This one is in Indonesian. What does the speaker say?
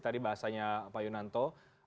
tadi bahasanya pak yunanto